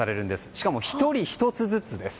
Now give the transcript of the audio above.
しかも１人１つずつです。